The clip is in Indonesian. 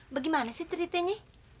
bagaimana sih ceritanya